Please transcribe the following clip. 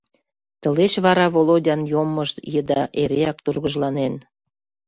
Тылеч вара Володян йоммыж еда эреак тургыжланен.